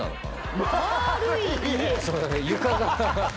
床が。